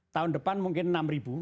tahun depan mungkin enam ribu